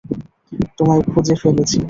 তোমায় খুঁজে ফেলেছি।